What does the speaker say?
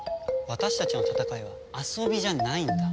私たちの戦いは遊びじゃないんだ。